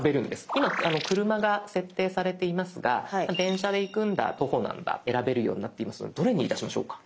今車が設定されていますが電車で行くんだ徒歩なんだ選べるようになっていますのでどれにいたしましょうか？